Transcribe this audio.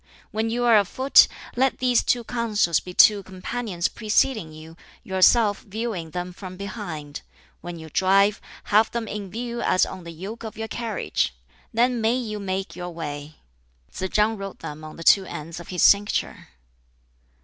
When you are afoot, let these two counsels be two companions preceding you, yourself viewing them from behind; when you drive, have them in view as on the yoke of your carriage. Then may you make your way." Tsz chang wrote them on the two ends of his cincture.